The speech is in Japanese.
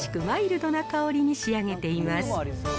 マイルドな香りに仕上げています。